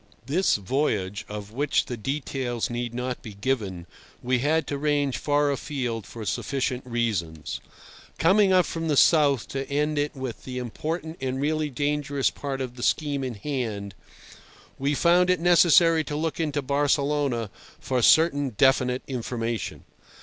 This voyage, of which the details need not be given, we had to range far afield for sufficient reasons. Coming up from the South to end it with the important and really dangerous part of the scheme in hand, we found it necessary to look into Barcelona for certain definite information.